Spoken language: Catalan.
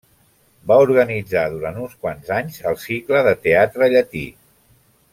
Va organitzar durant uns quants anys el Cicle de Teatre Llatí.